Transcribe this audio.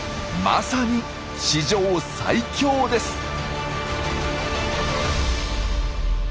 まさに史上最強です！